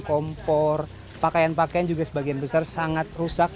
kompor pakaian pakaian juga sebagian besar sangat rusak